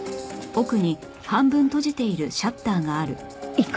行く？